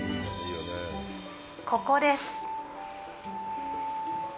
ここです。